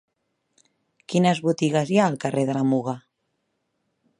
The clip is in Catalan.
Quines botigues hi ha al carrer de la Muga?